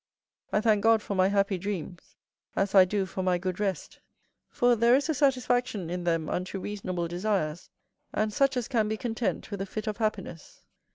I thank God for my happy dreams, as I do for my good rest; for there is a satisfaction in them unto reasonable desires, and such as can be content with a fit of happiness.